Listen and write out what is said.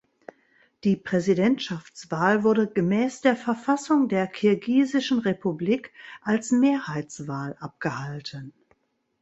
Die Präsidentschaftswahl wurde gemäß der Verfassung der Kirgisischen Republik als Mehrheitswahl abgehalten.